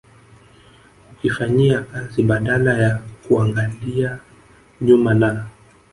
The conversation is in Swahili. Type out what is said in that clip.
kukifanyia kazi badala ya kuangalia nyuma na